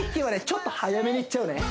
ちょっと速めにいっちゃうね